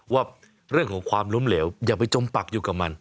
ว่าเรื่องของความล้มเหลวอย่าไปจมปักอยู่กับมัน